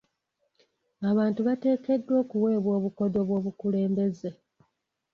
Abantu bateekeddwa okuweebwa obukodyo bw'obukulembeze.